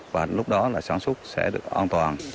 và lúc đó sản xuất sẽ được an toàn